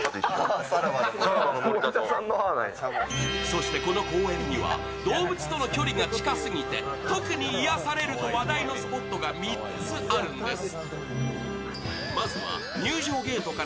そしてこの公園には動物のとの距離が近すぎて特に癒やされると話題のスポットが３つあるんです。